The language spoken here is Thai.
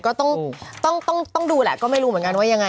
ก็ต้องดูแหละก็ไม่รู้เหมือนกันว่ายังไง